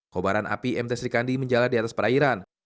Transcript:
kebakaran api mt serikandi menjala di atas perairan